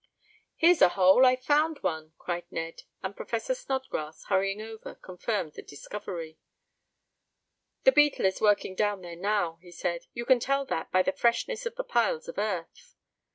"Here's a hole I've found one!" cried Ned, and Professor Snodgrass, hurrying over, confirmed the discovery. "The beetle is working down there now," he said. "You can tell that by the freshness of the piles of earth."